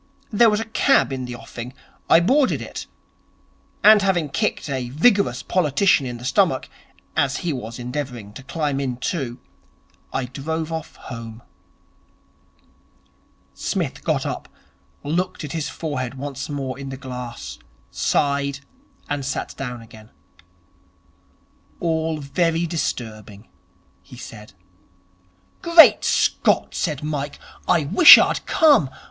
There was a cab in the offing. I boarded it. And, having kicked a vigorous politician in the stomach, as he was endeavouring to climb in too, I drove off home.' Psmith got up, looked at his forehead once more in the glass, sighed, and sat down again. 'All very disturbing,' he said. 'Great Scott,' said Mike, 'I wish I'd come.